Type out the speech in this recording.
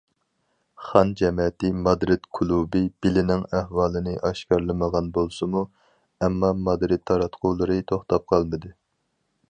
خان جەمەتى مادرىد كۇلۇبى بېلنىڭ ئەھۋالىنى ئاشكارىلىمىغان بولسىمۇ، ئەمما مادرىد تاراتقۇلىرى توختاپ قالمىدى.